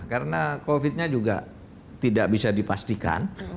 karena covid nya juga tidak bisa dipastikan